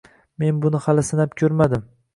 Men buni hali sinab ko'rmadim